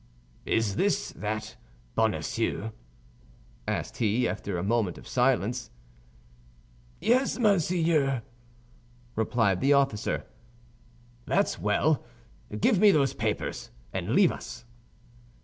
"Is this that Bonacieux?" asked he, after a moment of silence. "Yes, monseigneur," replied the officer. "That's well. Give me those papers, and leave us."